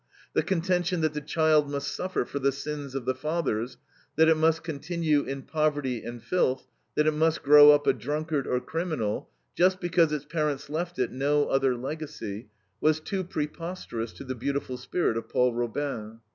The contention that the child must suffer for the sins of the fathers, that it must continue in poverty and filth, that it must grow up a drunkard or criminal, just because its parents left it no other legacy, was too preposterous to the beautiful spirit of Paul Robin.